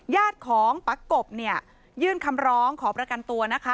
ญาติของป๊ากบเนี่ยยื่นคำร้องขอประกันตัวนะคะ